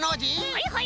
はいはい！